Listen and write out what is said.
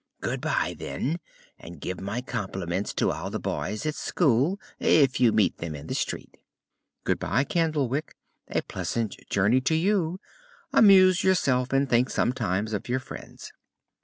"Good bye, then, and give my compliments to all the boys at school, if you meet them in the street." "Good bye, Candlewick; a pleasant journey to you; amuse yourself, and think sometimes of your friends."